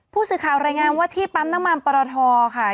ผู้สื่อข่าวรายงานว่าที่ปั๊มน้ำมันปรทค่ะ